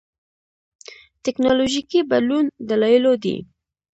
ټېکنالوژيکي بدلون دلایلو دي.